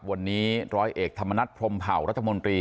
วันนี้ร้อยเอกธรรมนัฐพรมเผารัฐมนตรี